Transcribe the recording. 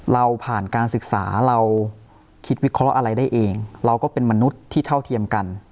เราผ่านการศึกษาเราคิดวิเคราะห์อะไรได้เองเราก็เป็นมนุษย์ที่เท่าเทียมกัน